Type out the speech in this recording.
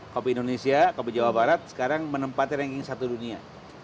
kopi indonesia kopi jawa barat sekarang menempati ranking satu dunia